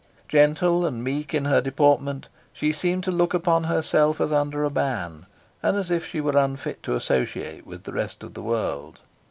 Gentle and meek in her deportment, she seemed to look upon herself as under a ban, and as if she were unfit to associate with the rest of the world.